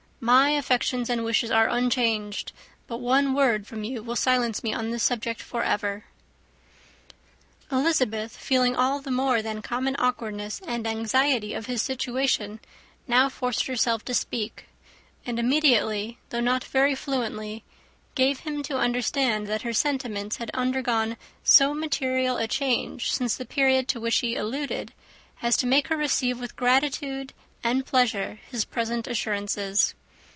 My affections and wishes are unchanged; but one word from you will silence me on this subject for ever." Elizabeth, feeling all the more than common awkwardness and anxiety of his situation, now forced herself to speak; and immediately, though not very fluently, gave him to understand that her sentiments had undergone so material a change since the period to which he alluded, as to make her receive with gratitude and pleasure his present assurances.